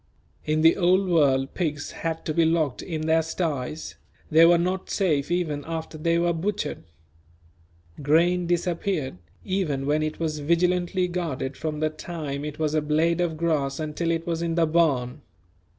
In the Old World pigs had to be locked in their sties; they were not safe even after they were butchered. Grain disappeared, even when it was vigilantly guarded from the time it was a blade of grass until it was in the barn.